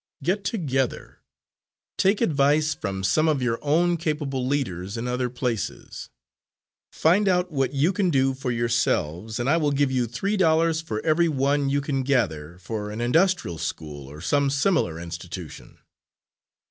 Get together. Take advice from some of your own capable leaders in other places. Find out what you can do for yourselves, and I will give you three dollars for every one you can gather, for an industrial school or some similar institution.